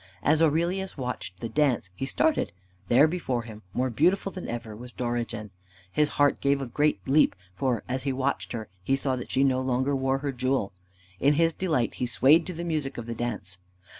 As Aurelius watched the dance, he started. There, before him, more beautiful than ever, was Dorigen. His heart gave a great leap, for, as he watched her, he saw that she no longer wore her jewel. In his delight he swayed to the music of the dance.